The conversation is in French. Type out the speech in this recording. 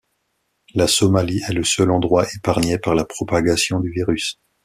La Somalie est le seul endroit épargné par la propagation du virus.